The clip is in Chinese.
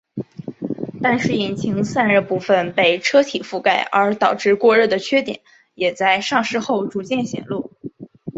但是引擎散热部份被车体覆盖而导致过热的缺点也在上市后逐渐显露。